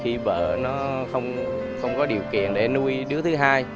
khi vợ nó không có điều kiện để nuôi đứa thứ hai